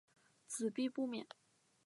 子必不免。